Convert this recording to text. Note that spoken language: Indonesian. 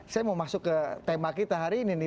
saya mau masuk ke tema kita hari ini nih